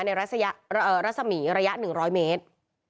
รัศมีระยะ๑๐๐เมตร